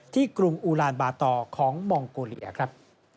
กรุงอูลานบาตอร์ของมองโกเลียครับ